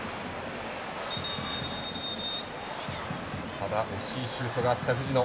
ただ、惜しいシュートがあった藤野。